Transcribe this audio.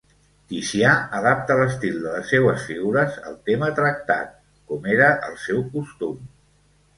Ticià adapta l'estil de les seues figures al tema tractat, com era el seu costum.